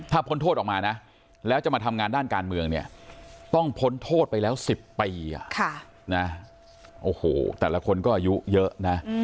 ถ้าพ้นโทษออกมานะแล้วจะมาทำงานด้านการเมืองเนี่ยต้องพ้นโทษไปแล้ว๑๐ปีโอ้โหแต่ละคนก็อายุเยอะนะ